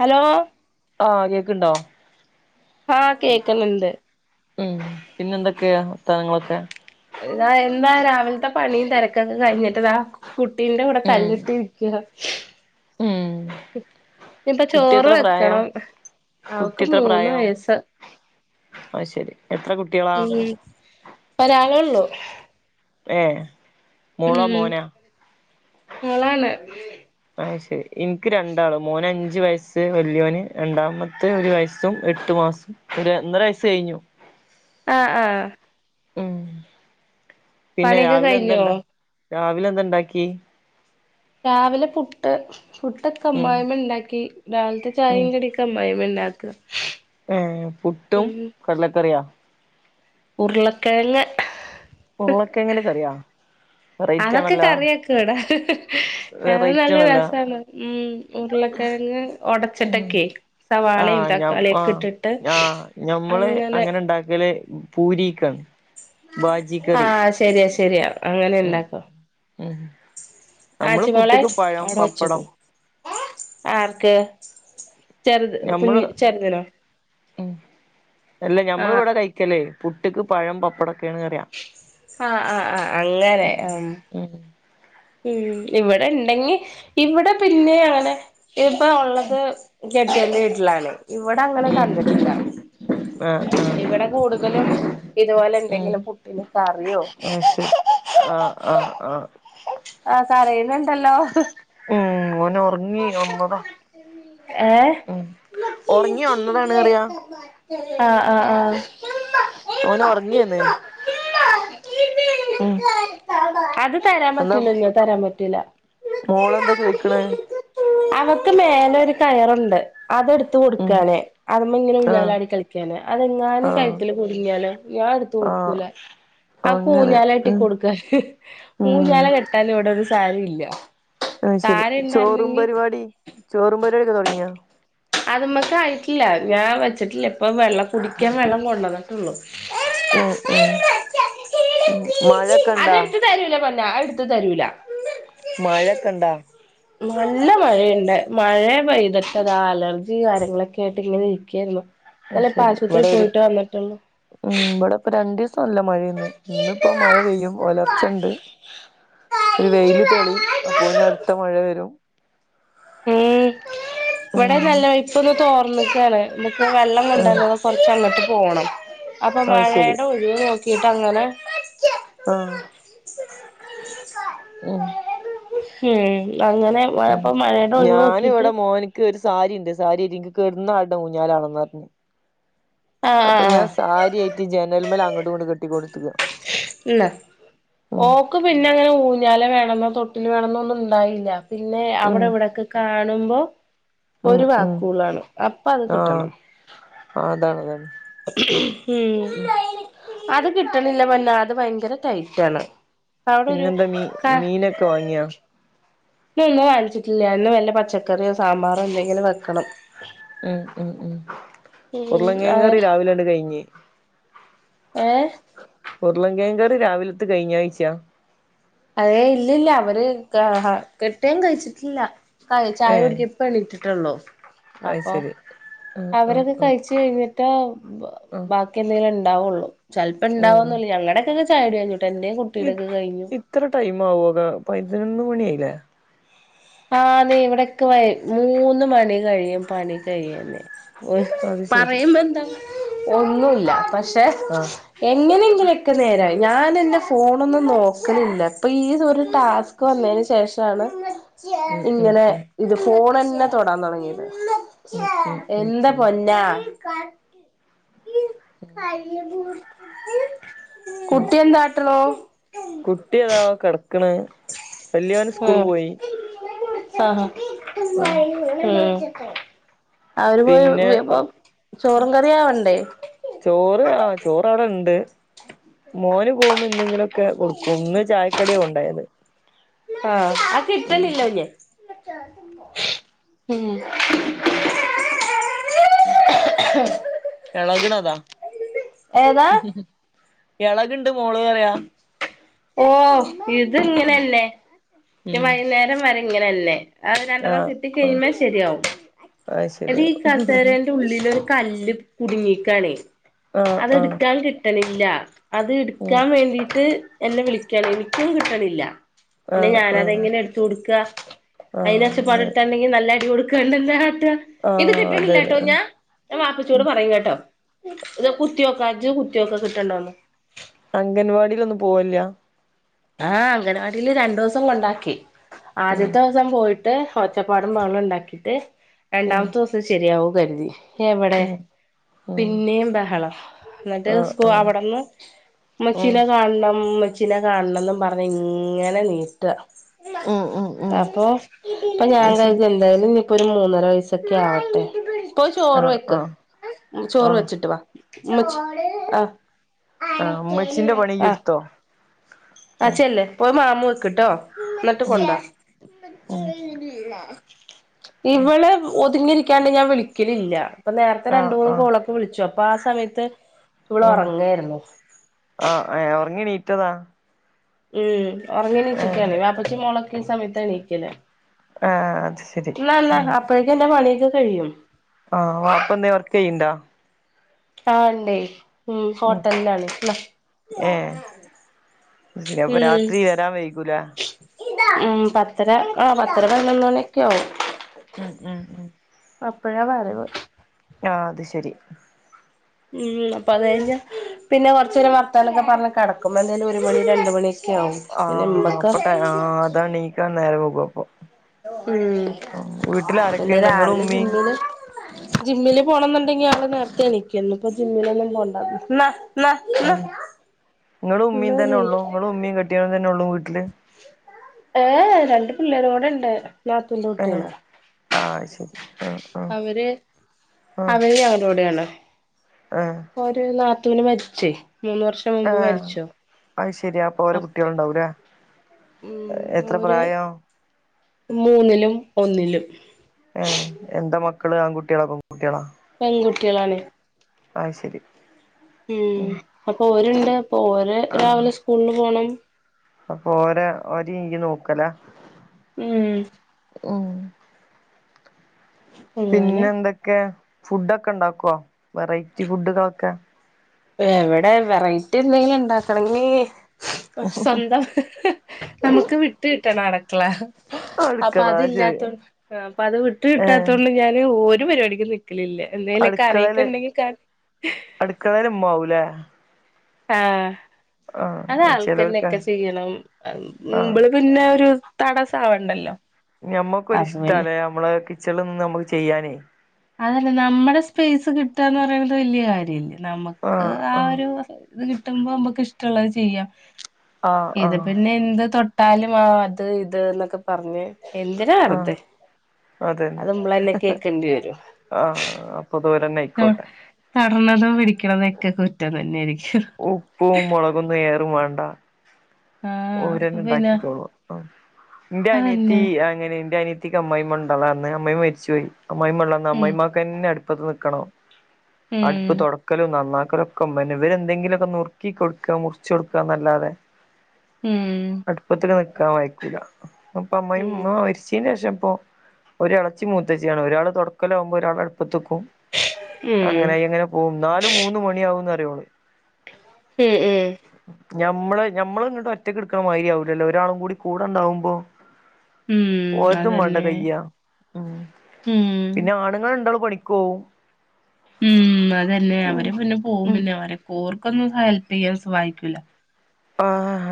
Hello ആഹ കേക്കണ്ടോ ആഹ കേക്കുന്നുണ്ട് ഉം പിന്നെ എന്തൊക്കെവർത്താനങ്ങളൊക്കെ ഇതാ എന്താ രാവിലത്തെ പണിയും തിരക്കൊക്കെ കഴിഞ്ഞിട്ടതാ കുട്ടീന്റെ കൂടെ ഉം കല്ലിട്ട് ഇരിക്കാ ഉം കുട്ടി ചോറ് എത്ര പ്രായം വെക്കണം കുട്ടി അവക്ക് എത്ര മൂന്ന് പ്രായം വയസ്സ് അയ് ശരി എത്ര കു ഉം ഒരാളോള്ളു ഏഹ് മോളോ ഉം മോനാ മോളാണ് അയ് ശരി ഇന്ക്ക് രണ്ടാള് മോന് അഞ്ച് വയസ്സ് വല്ല്യോന് രണ്ടാമത്തെ ഒരു വയസ്സും എട്ടു മാസും ഒരെന്നര വയസ്സഴിഞ്ഞു ആഹ് ആഹ് ഉം പിന്നെ പണിയൊക്കെ രാവിലെ കഴിഞ്ഞോ എന്തണ്ടാ രാവിലെന്ത ഇണ്ടാക്കീ രാവിലെ പുട്ട് പുട്ടൊക്കെ ഉം അമ്മായ്മ്മ ഇണ്ടാക്കി രാവില്ത്തെ ഉം ചായയും കടി ക്കെ അമ്മായിമ്മ ഇണ്ടാക്കാ ഏഹ് പുട്ടും കടലക്കറിയാ ഉരുളക്കെഴങ്ങ് ഉരുളക്കെയങ്ങിന്റെ കറിയോ അതൊക്കെ കറിയക്കും ഇവടെ ഞങ്ങള് വെറൈറ്റി നല്ല ആണല്ലോ രസാണ് ഉം ഉരുളക്കെഴങ്ങ് ഒടച്ചിട്ടൊക്കെ സവാളയും ആഹ് ഞാൻ തക്കാളിയെക്കെ ആഹ് ഇട്ടിട്ട് ആഹ് ഞമ്മള് അങ്ങനെ ഇണ്ടാക്കല് പൂരിക്കാണ് ബാജിക്കറി ആഹ് ശരിയാ ശരിയാ അങ്ങനെ ഉം ഇണ്ടാക്കോ ഉം നമ്മള് പുട്ട്ക്ക് പഴം പപ്പടം ആർക്ക് ചെറ്ത് കുഞ്ഞി ഞമ്മള് ചെറ്തിനോ ഉം അല്ല ഞമ്മൾ ആഹ് ഇവടെ കഴിക്കലേ പുട്ട്ക്ക് പഴം പപ്പടൊ ആഹ് ആഹ് ആഹ് അങ്ങനെ ആഹ് ഉം ഉം ഇവടെ ഇണ്ടെങ്കി ഇവടെ പിന്നെ അങ്ങനെ ഇപ്പ ഒള്ളത് ഉം കെട്ടിയോന്റെ വീട്ട്ലാണ് ഇവടെ അങ്ങനെ ഉം കണ്ടിട്ടില്ല ആഹ് ആഹ് ഇവിടെ കൂട് തലും ഇതുപോലെ എന്തെങ്കിലും പുട്ടിനുകറിയോ അയ് ശരി ആഹ് ആഹ് ആഹ് ആഹ് കരിയ്ണണ്ടല്ലോ ഉം ഓനൊ ഒറങ്ങി ഒൺന്നതാ ഏഹ് ഉം ഒറങ്ങി ഒൺന്നതാണ് അറിയാ ആഹ് ആഹ് ആഹ് ഓന് ഒറങ്ങിയേന്ന് ഉം അത് തരാൻ പറ്റില്ല എന്നാ നിങ്ങെ തരാൻ പറ്റില്ല മോളെന്താ ചൊയ്ക്ക്ണെ അവക്ക് മേലെ ഒരു കയറുണ്ട് അതെട്ത്ത ഉം കൊടുക്കാന് അതിമ്മ ഇങ്ങനെ ആഹ് ഊഞ്ഞാലാടി കളിക്കാന് അതെങ്ങാനും ആഹ് കഴുത്തില് കുടുങ്ങിയാലോ ഞാൻ എട്ത്ത് ആഹ് കൊടുക്കൂല അവക്ക് അങ്ങനെ ഊഞ്ഞാലെട്ടി ഉം കൊടുക്കാൻ ഉം ഊഞ്ഞാല കെട്ടൻ ഇവടെ ഒരു സാലീല്ല അഹ് ‌ശരി ചോറും പരിവാടി ചോറും പരിവാടിയൊക്കെ തൊടങ്ങിയോ അതിമ്മക്കായിട്ടില്ല ഞാൻ വെച്ചിട്ടില്ല ഇപ്പൊ വെള്ളം കുടിക്ക്യാൻ വെള്ളം കൊണ്ടോന്ന്ട്ടുള്ളു ഏഹ് ആഹ് ഉം മഴൊക്കെണ്ടോ അതെടുത്ത് തരൂല പറഞ്ഞ എടുത്ത് തരൂല മഴക്കെണ്ടോ നല്ല മഴയ്ണ്ട് മഴയെ പെയ്ത്ട്ടതാ അലർജി കാര്യങ്ങളൊക്കായിട്ട് ഇങ്ങനെ ഇരിക്കായിരുന്നു അത് നല്ലെ ഇപ്പ ശരി ആശുപത്രി ഇവിടെ പോയിട്ട് വന്നിട്ടൊള്ളു ഇപ്പൊ രണ്ടീസംല്ല മയേന്ന് ഇന്നിപ്പോ മഴ പെയ്യും ഒലർച്ചണ്ട് ഒരു വെയില് തെളിയും അപ്പോയിന് അടുത്ത മഴ വരും ഏഹ് ഇവിടെ ഉം നല്ല ഇപ്പൊന്ന് തോർന്നക്കാണ് നമുക്ക് വെള്ളം കൊണ്ടോ ആഹ് കൊർച്ചങ്ങട്ട് പോണം അപ്പോ അത് ശരി മഴയുടെ ഒഴിവ് നോക്കിയിട്ടങ്ങനെ ആഹ് ഉം ഉം അങ്ങനെ മഴപ്പ മഴയുടെ ഒഴിവ് നോക്കീട്ട് ക്ക്‌ഒരു സാരിണ്ട് സാരിയെരി ഇൻക് കെട്ന്നാട്ണെ ഊഞ്ഞാലാണെന്ന് പറഞ്ഞ് ആഹ് അപ്പൊ ആഹ് ഞാൻ ആഹ് സാരിയായിട്ട് ജനൽമൽ അങ്ങോട്ടും ഇങ്ങോട്ട് കെട്ടിക്കൊടുത്തുക ഇന്ന ഓക്ക് പിന്നെ അങ്ങനെ ഊഞ്ഞാല വേണന്നോ തൊട്ടില് വേണന്നൊന്നും ഉണ്ടായില്ല. പിന്നെ ഉം അവിടെ ഇവിടൊക്കെ കാണുമ്പോ ഉം ഒരു ഉം വാക്കൂളാണ്. അപ്പൊ അത് ആഹ് കിട്ടണം. അതാണ്. ഉം ഉം അവിടെ ഒരു പിന്നെന്താ മീ ക മീനൊക്കെ വാങ്ങിയാ. ഇന്ന് ഒന്നും വാങ്ങിച്ചിട്ടില്ല. ഇന്ന് വെല്ല പച്ചക്കറിയോ സാമ്പാറോ എന്തെങ്കിലും വെക്കണം. ഉം ഉം ഉം ഉം ഉരുളൻ അതെ കിഴങ്ങുകറി രാവിലോണ്ട് കഴിഞ്ഞ്. ഏ ഉരുളൻ കിഴങ്ങുകറി രാവിലത്തെ കഴിഞ്ഞാഴ്ച. അതെ ഇല്ലില്ല. അവര് ക ആഹ് കെട്ടിയോൻ കഴിച്ചിട്ടില്ല. കയ് ചായ കുടിക്കും ഇപ്പ എണീറ്റിട്ടൊള്ളൂ. അഹ് ശരി. ആഹ് ആഹ് അവരൊക്കെ ആഹ് കഴിച്ച് കഴിഞ്ഞിട്ടാ ബ ആഹ് ബാക്കി എന്തെങ്കിലും ഉണ്ടാവൊള്ളൂ. ചെൽപ്പോ ഉം ഇണ്ടാവൊന്നൂല്ല. ഞങ്ങടൊക്കെ ചായ കുടി കഴിഞ്ഞൂട്ട. എന്റെയും കു ഇ ഇത്ര ടൈം ആവുക പതിനൊന്ന് മണിയായില്ലേ. ആന്നെ ഇവിടക്കെ വൈ മൂന്ന് മണി കഴിയും പണി കഴിയുന്നെ. അത് ശരി പറയുമ്പോ എന്താ ഒന്നൂല്ല. പക്ഷെ ആഹ് എങ്ങനെങ്കിലൊക്കെ നേരായി ഞാനെൻ്റെ ഫോണൊന്നും നോക്കണില്ല. ഇപ്പൊ ഈ ഒരു ടാസ് ക് വന്നയ്ന് ശേഷാണ് ഉം ഉം ഇങ്ങനെ ഉം ഇത് ഫോൺന്നെ തൊടാ തുടങ്ങിയത് ഉം ഉം ഉം എന്താ ഉം പൊന്നാ ഉം കുട്ടി എന്താട്ടണൂ. കുട്ടി അതാ കിടക്കണ്. വല്യോന് സ്കൂള് ഉം പോയി ആഹ് ആഹ് ഉം അവര് പോയി പിന്നെ വേമ്പം ചോറും കറീം ആവണ്ടേ. ചോറ് ആഹ് ചോറ് അടെണ്ട്. മോന് പോഉമ്പേ എന്തെങ്കിലുക്കെ കൊടുക്കും. ഇന്ന് ചായക്കടിയാ കൊണ്ടോയത്. ആഹ് ഉം ഉം എളക്ണതാ ഏതാ എളക്ണ്ട് മോള്റ്യാ ഏഹ് ഇതിങ്ങനെന്നെ. ഉം വൈകുന്നേരം വരെ ഇങ്ങനെ തന്നെ. അത് രണ്ടെണ്ണം ആഹ് കിട്ടി ആഹ് കഴിയുമ്പേ ശരിയാവും. അത് എന്റെ ഈ ശരിയാവും കസേരേൻ്റെ ഉള്ളില് കല്ല് കുടുങ്ങിയേക്കാണേ. ആഹ് ആഹ് അതെടുക്കാൻ കിട്ടണില്ല. അത്ട് ഉം ക്കാൻ വേണ്ടീട്ട് എന്നെ വിളിക്കാണ്. എനിക്കും കിട്ടണില്ല. പിന്നെ ആഹ് ആഹ് ഞാനതെങ്ങനെയാ എടുത്തു കൊടുക്കാ. ആഹ് അതിനകത്ത് പണി അങ്ങനെ എടുത്തുണ്ടെങ്കി നല്ല അടി കൊടു ആഹ് അതന്നെ ഞാ ഞാൻ ഉം വാപ്പച്ചിയോട് പറയും കേട്ടോ ഇത് കുത്തിയോക്കാ ഇജ്ജ് കുത്തിയോക്ക് കിട്ടണ്ടോന്ന് അംഗൻവാടീലൊന്നും പോവലില്ല. ആ അങ്കനവാടീല് രണ്ടുസം കൊണ്ടാക്കി ഉം ആദ്യത്തെ സം പോയിട്ട് ഒച്ചപ്പാടും ബഹളും ണ്ടാക്കിട്ട് ഉം രണ്ടാമത്തെ ദിവസം ശരിയാകൂന്ന് കര്തി എവടെ ഉം ഉം പിന്നേം ബഹള ന്ന്ട്ട് ആഹ് സ്കൂ ആഹ് അവ്ട്ന്ന് ഉം ഉമ്മച്ചീനെ കാണണം ഉമ്മച്ചീനെ കാണണം ന്നും പറഞ്ഞ് ഇങ്ങനെ നീട്ടാ ഉം ഉം ഉം അപ്പൊ അപ്പൊ ഞാൻ അത് ശരി കരുതി എ ന്തായാലും ഇപ്പൊരു മൂന്നര വയസ്സൊക്കാവട്ടെ ആഹ് ആഹ് ആഹ് വെച്ചിട്ട് വാ ഉമ്മച്ചി ആഹ് ആഹ് ഉമ്മച്ചിന്റെ പണി ഇയ്യ് ആഹ് എടുത്തോ ആഹ് ഉം ചെല്ല് പോയി മാമു വെക്ക്ട്ടോ എന്നിട്ട് ഉം കൊണ്ടുവാ ഉം ഇവള് ഒതുങ്ങിരിക്കാണ്ട് ഞാൻ വിളിക്കലില്ല ഇപ്പൊ നേരത്തെ രണ്ട് ആഹ് മൂന്ന് ആഹ് കോളൊ- പ്പൊ വിളിച്ചു അപ്പൊ ആ സമയത്ത് ഇവള് ഒറങ്ങേര്ന്നു അ എ ഒർങ്ങിണീറ്റതാ ഉം ഒർങ്ങി ഏഹ് ണീച്ചക്കാണെ വാപ്പച്ചി മോളൊക്കെ ഈ സമയത്ത എണീക്കല് ആഹ് അത് ശരി അപ്പേഴ്ക്ക് ന്റെ പണിയൊക്കൊ കഴിയും ആ അപ്പൊ ന്തെ വർക്കെയ്യ്ണ്ടോ ആ ണ്ടേ ഉം ഹോട്ടല്ലാണ് ഏഹ് അത് ശെരി അപ്പൊ രാത്രി വരാൻ വൈകൂല്ലേ ഉം പത്തര ആ പത്തര പതിനൊന്ന് മണിയൊക്കെയാവും ഉം ഉം ഉം അപ്പഴ വരവ് ആ അത് ശെരി ഉം അപ്പൊ അത് കയ്ഞ്ഞ പിന്നെ കൊർച്ചേരം വർത്താനക്കെ പർഞ് കെടക്കുമ്പോ ന്തായാലും ഒരു മണി രണ്ട് മണിക്കെ ക്ക്യാവും പിന്നെ മ്മക്ക് ആ അതാണീക്കാൻ നേരം വെകും അപ്പൊ ഉം വീട്ടിൽ പിന്നെ ആരൊക്കെയുണ്ട് നിങ്ങളും രാവിലെ ഉമ്മീം ജിമ്മിന് ജിമ്മില് പോണംന്ന്ണ്ടെങ്കി ആള് നേര്ത്തെ എണീക്കും ഇന്ന് പ്പൊ പ്പ ജിമ്മിലൊന്നും പോണ്ട ആ ങ്ങളും ഉമ്മേം ന്നാ നീ തെന്നെള്ളൂ ങ്ങളും ഉമ്മേം കെട്ടിയോനും തെന്നെള്ളു വീട്ടില് ഏ രണ്ട് പിള്ളേരും കൂടെണ്ട് നാത്തൂന്റെ കുട്ട്യാള് ആ അത് ശെരി അവര് അവര് അവലൂടാണ് ആ ഓര് നാത്തൂന് മരിച്ചേ മൂന്ന് വർഷം ആ മുമ്പ് മരിച്ചു അത് ശെരി അപ്പൊലെ അപ്പൊ കുട്ട്യാള് ണ്ടാവൂല്ലേ ഉം എത്രെ ഓര് പ്രായം മൂന്നിലും ഒന്നിലും ഏ എന്താ മക്കള് ആൺകുട്ട്യാളോ പെൺകുട്ട്യാളോ പെൺകുട്ട്യാളാണ് അത് ശെരി ഉം അപ്പോര്ണ്ട് അപ്പോരെ ആഹ് രാവിലെ സ്കൂളിൽ പോണം അപ്പൊ ഓരേ ഓരെ യ്യ് നോക്കലാ ഉം ഉം അങ്ങനെ പിന്നെന്തൊക്കെ ഫുഡൊക്കെണ്ടാക്കോ വെറൈറ്റി ഫുഡുകളൊക്കെ എവടെ വെറൈറ്റി എന്തെങ്കിലും ണ്ടാക്കണെങ്കി സ്വന്തം- നമുക്ക് വിട്ട് കിട്ടണം അട്ക്കള അപ്പൊ അടുക്കള അത് ശരി അതില്ലാത്തോ അപ്പൊ അത് വിട്ട് ഏഹ് കിട്ടാത്തോണ്ട് ഞാന് ഒരു പരിപാടിക്കും നി- ക്കലില്ല എന്തേലും കറിയൊക്കെ അടുക്കളയില് ണ്ടെങ്കി ക അടുക്കളേല് മ്മാവൂലെ ആ അത് ആഹ് ആൾക്കെന്നെ ചെലോർക്ക് ക്കെ ചെയ്യണം ആഹ് മ്പള് പിന്നൊരു തടസാവണ്ടല്ലോ അപ്പൊ പിന്നെ നമ്മക്കൊരിഷ്ടണ് നമ്മളെ കിച്ചണിൽ നിന്ന് നമുക്ക് ചെയ്യാനേ അതല്ല നമ്മുടെ സ്പേസ് കിട്ടാന്ന് പറയുന്നത് വലിയ കാര്യല്ലേ നമുക്ക് ആഹ് ആ ആഹ് ഒരു ഇത് കിട്ടുമ്പോ നമുക്ക് ഇഷ്ടമുള്ളത് ചെയ്യാം ആഹ് ഇത് ആഹ് പിന്നെ എന്ത് തൊ- ട്ടാലും ആ അത് ഇത് എന്നൊക്കെ പറഞ്ഞ് എന്തിനാ ആഹ് വെറുതെ അത് നമ്മളന്നെ കേക്കേണ്ടി വരും. ആഹ അപ്പൊ അതോലന്നായി ട്ടോ തൊടണതും പിടിക്കണതോക്കെ കുറ്റം തന്നെയായിരിക്കും. ഉപ്പും മുളകൊന്നും ഏറും വേണ്ട. ആഹ് അപ്പൊ പിന്നെ ഓരന്നെണ്ടാക്കിക്കോളൂ ന്റെ അനിയത്തി അതന്നെ അങ്ങനെ ന്റെ അനിയത്തിക്ക് അമ്മായിമ്മണ്ടള അന്നേ അമ്മായിമ്മ മരിച്ചോയി അമ്മായിമ്മ ഇള്ളന്ന് ഉം അമ്മായിമ്മ പിന്നെ അടുപ്പത്ത് നിക്കണം അടുപ്പ് ഉം തൊട ക്കലും നന്നാക്കലൊക്കെമ്മന്നെ ഇവരെന്തെങ്കിലൊക്കെ നുർക്കി കൊടുക്കാ മുർച്ച് കൊടുക്കാന്നല്ലാതെ- ഉം അടുപ്പത്തിൽ വക്കാൻ വയിക്കൂല അപ്പ അമ്മായി ഉം ഉമ്മ മരിച്ചതിന് ശേഷം ഇപ്പൊ ഒരെളച്ചി മൂത്തച്ചിയാണ് ഒരാള് തുടക്കലാകുമ്പോൾ ഒരാൾ അടുപ്പത്ത്ക്കും ഉം അങ്ങനായിങ്ങനെ പോകും ന്നാലും മൂന്ന് മണി ആകും കറിയോളൂ ഉം ഉം ഞമ്മള് ഞമ്മൾ ഇങ്ങട്ട് ഒറ്റക്ക്ടുക്കണ മാതിരി ആവൂലല്ലോ ഒരാളും കൂടി കൂടെണ്ടാവുമ്പോ ഉം ഓർതും മാണ്ടേ അതന്നെ കയ്യാ ഉം ഉം പിന്നെ ആണുങ്ങൾ രണ്ടാളൂ പണിക്കോവും ഉം അതന്നെ അവര് പിന്നെ പോകും പിന്നെ അവരെ ഓർക്കൊന്നും ഹെൽപ് ചെയ്യാൻ സഹായിക്കൂല്ല ആഹ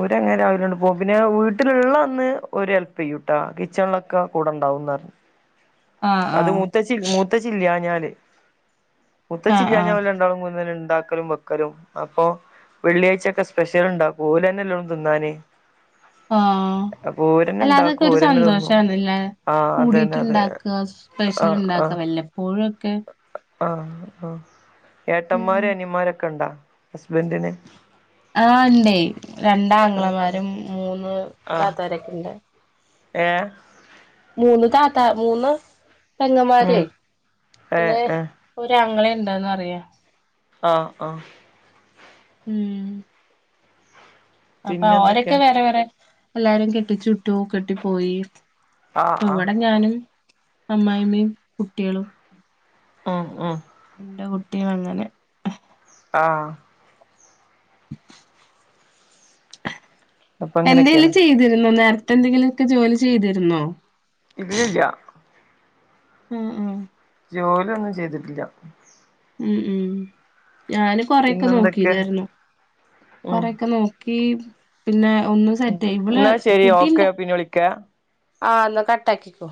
ഓരങ്ങനെ രാവിലണ്ട് പോകും പിന്നെ വീട്ടിലുള്ള അന്ന് ഓര് ഹെൽപ്പ് ചെയ്യൂട്ടാ കിച്ചണിലൊക്കെ കൂടെണ്ടാവും പറഞ്ഞു ആഹ് അത് ആഹ് മൂത്തച്ചി മൂത്തച്ചില്ലാഞ്ഞാല് ആഹ് മുത്തച്ചില്ലഞ്ഞാല് ആഹ് ഓല് രണ്ടാളും ക ഇണ്ടാക്ക മക്കലും ബക്കലും അപ്പൊ വെള്ളിയാഴ്ചൊക്കെ സ്പെഷ്യൽ ഉണ്ടാക്കും ഓലന്നെല്ലോള്ളൂ തിന്നാന് ആഹ അപ്പൊ ഓരന്നെ അല്ല അതൊക്കെ ഇണ്ടാക്കും ഒരു ഓരന്നെ തിന്നും സന്തോഷാണ്ലേ ആഹ് അതന്നെ അതെ കൂടിട്ട്ണ്ടാക്കാ സ്പെഷ്യൽ ആഹ് ആഹ് ഉണ്ടാക്കാം വല്ലപ്പോഴോക്കെ ആഹ് ആഹ ഉം ഏട്ടന്മാരും അനിമാരൊക്കെ ഉണ്ടാ ഹസ്ബഡ്ന് ആഹ് ഉണ്ടേ രണ്ട് ആങ്ങളെന്മാരും മൂന്ന് ആഹ് താത്താരൊക്കെ ഉണ്ട്. ഏഹ് മൂന്ന് താത്ത മൂന്ന് പെങ്ങമ്മാരെ ഉം ഏഹ് പിന്നെ ഏഹ് ഒരാങ്ങളെ ഉണ്ടന്ന് അറിയാം ആഹ ആഹ ഉം അപ്പൊ പിന്നെ ഓരൊക്കെ എന്തൊക്കെയാ വേറെ വേറെ എല്ലാരും കെട്ടിച്ചുട്ടു കെട്ടി പോയി ആഹ് പ്പ ആഹ് ഇവിടെ ഞാനും അമ്മായിമ്മയും കുട്ടിയളും ആഹ് ആഹ് ന്റെ കുട്ടിയും അങ്ങനെ ആഹ അപ്പൊ എന്തെലും അങ്ങനെയൊക്കെയാണ് ചെയ്തിരുന്നോ നേരത്തെ എന്തെങ്കിലുമൊക്കെ ജോലി ചെയ്തിരുന്നോ? ഇല്ലില്ല ആഹ് ആഹ ജോലിയൊന്നും ചെയ്തിട്ടില്ല ഞാനും കൊറെയൊക്കെ പിന്നെന്തൊക്കെ നോക്കിയതായിരുന്നു ഉം കൊറേക്കെ നോക്കി പിന്നെ ഒന്ന് സെറ്റായി ഇവള് എന്നാ ശരി ഓക്കെ കുട്ടിണ്ടാ പിന്നെ വിളിക്കാ ആ ന്നാ കട്ടാക്കിക്കോ